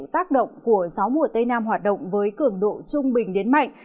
tác động của gió mùa tây nam hoạt động với cường độ trung bình đến mạnh